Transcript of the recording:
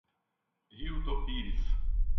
Rio do Pires